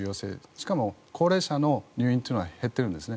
しかも高齢者の入院というのは減っているんですね。